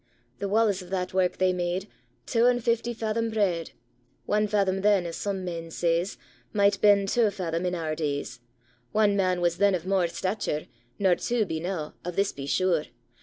The wallis of that wark they made, Twa and fifty fathom braid: Ane fathom then, as some men says, Micht been twa fathom in our days ; Ane man was then of mair stature 473 MESOPOTAMIA Nor twa be now, of this be sure.